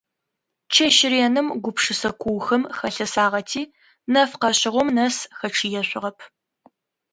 Чэщ реным гупшысэ куухэм халъэсагъэти нэф къэшъыгъом нэс хэчъыешъугъэп.